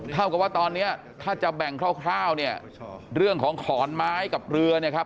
เท่ากับว่าตอนนี้ถ้าจะแบ่งคร่าวเนี่ยเรื่องของขอนไม้กับเรือเนี่ยครับ